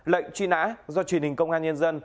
lệnh truy nã do tp hà nội